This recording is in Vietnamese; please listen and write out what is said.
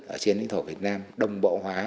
ở trên lĩnh vực việt nam đồng bộ hóa